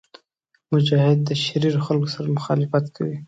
مجاهد د شریرو خلکو سره مخالفت کوي.